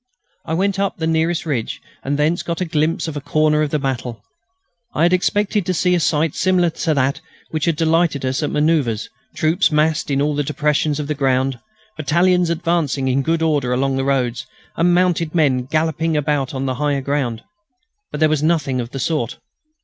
I went up the nearest ridge and thence got a glimpse of a corner of the battle. I had expected to see a sight similar to that which had delighted us at manoeuvres; troops massed in all the depressions of the ground, battalions advancing in good order along the roads, and mounted men galloping about on the higher ground. But there was nothing of the sort.